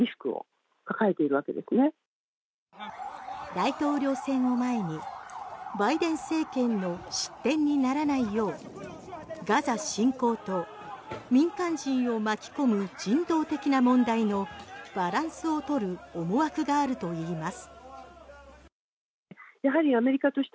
大統領選を前にバイデン政権の失点にならないようガザ侵攻と民間人を巻き込む人道的な問題のバランスを取る思惑があるといいます。